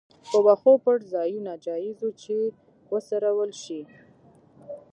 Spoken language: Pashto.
په وښو پټ ځایونه جایز وو چې وڅرول شي.